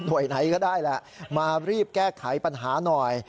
โดยไหนก็ได้แหละมารีบแก้ไขปัญหาหน่อย